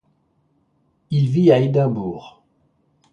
Il vit à Édimbourg.